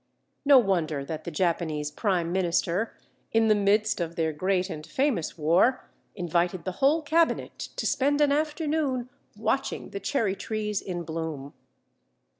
No wonder that the Japanese Prime Minister, in the midst of their great and famous war, invited the whole cabinet to spend an afternoon watching the cherry trees in bloom!